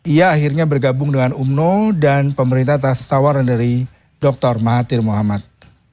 ia akhirnya bergabung dengan umno dan pemerintah atas tawaran dari dr mahathir muhammad